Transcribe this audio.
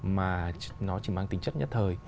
mà nó chỉ mang tính chất nhất thời